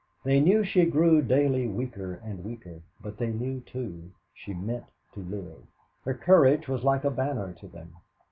They knew she grew daily weaker and weaker; but they knew, too, she meant to live. Her courage was like a banner to them.